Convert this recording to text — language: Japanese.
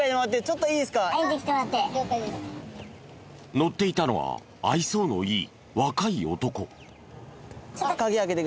乗っていたのは愛想のいい若い男。